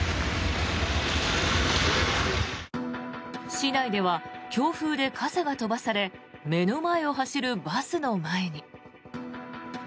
市内では強風で傘が飛ばされ目の前を走るバスの前に。